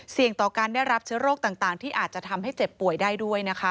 ต่อการได้รับเชื้อโรคต่างที่อาจจะทำให้เจ็บป่วยได้ด้วยนะคะ